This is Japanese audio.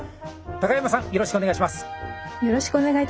山さんよろしくお願いします。